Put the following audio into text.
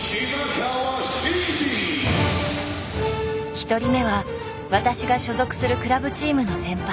一人目は私が所属するクラブチームの先輩